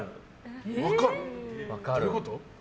どういうこと？